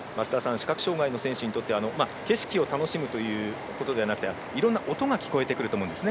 視覚障がいの選手にとっては景色を楽しむということではなくいろんな音が聞こえてくるんですね。